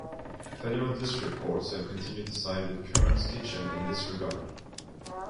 Federal district courts have continued to side with Kern's Kitchen in this regard.